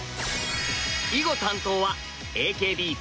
囲碁担当はＡＫＢ４８。